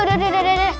udah udah udah udah